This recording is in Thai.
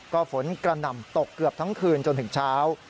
ก็ฝนกระหน่ำตกเกือบทั้งคืนจนถึงเช้า